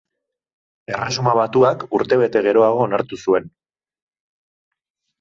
Erresuma Batuak urtebete geroago onartu zuen.